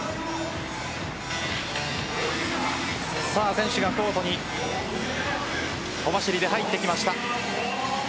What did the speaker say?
選手がコートに小走りで入ってきました。